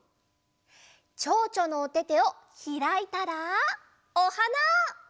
ちょうちょのおててをひらいたらおはな！